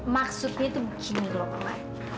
maksudnya tuh begini lo mama